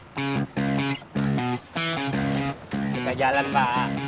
kita jalan pak